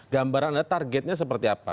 gambaran anda targetnya seperti apa